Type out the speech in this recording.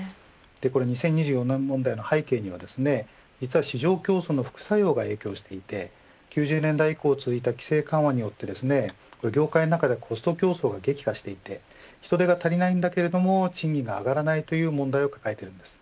２０２４年問題の背景には実は市場競争の副作用が影響していて９０年代以降続いた規制緩和によって業界の中ではコスト競争が激化していて人手が足りないけれど賃金が上がらないという問題を抱えているんです。